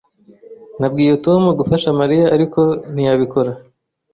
Nabwiye Tom gufasha Mariya, ariko ntiyabikora.